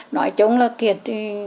nói chung là kiệt thì